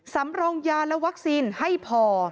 สำรองยาและวัคซีนให้พอ